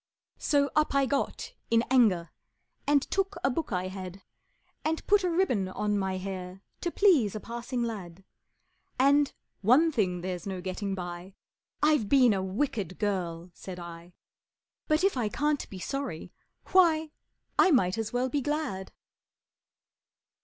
So up I got in anger, And took a book I had, And put a ribbon on my hair To please a passing lad, And, "One thing there's no getting by I've been a wicked girl," said I; "But if I can't be sorry, why, I might as well be glad!"